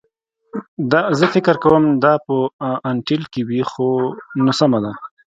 زه فکر کوم که دا په انټیل کې وي نو سمه ده